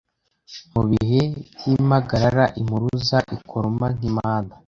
Mu bihe by’impagarara impuruza ikoroma nk’impanda